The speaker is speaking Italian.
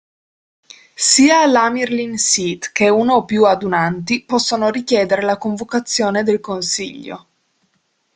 Sia l'Amyrlin Seat, che una o più adunanti, possono richiedere la convocazione del Consiglio.